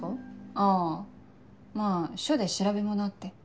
あぁまぁ署で調べ物あって。